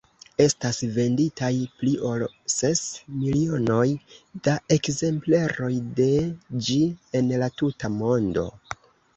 Estas venditaj pli ol ses milionoj da ekzempleroj de ĝi en la tuta mondo.